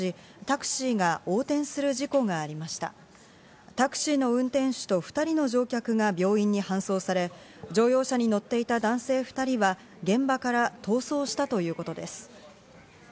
タクシーの運転手と２人の乗客が病院に搬送され、乗用車に乗っていた男性２人は現場から逃走したということです。